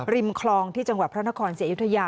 ริมคลองที่จังหวะพระนครเสียอยุธยา